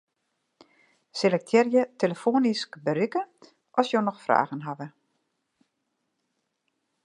Selektearje 'telefoanysk berikke as jo noch fragen hawwe'.